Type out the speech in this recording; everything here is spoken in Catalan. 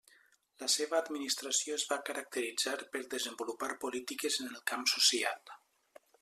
La seva administració es va caracteritzar per desenvolupar polítiques en el camp social.